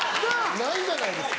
ないじゃないですか。